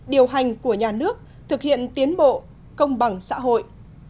điều hành của nhà nước thực hiện tiến bộ công bằng xã hội